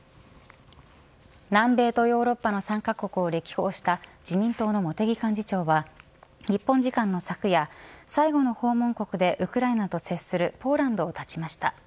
南米とヨーロッパの３カ国を歴訪した自民党の茂木幹事長は日本時間の昨夜最後の訪問国でウクライナと接するポーランドをたちました。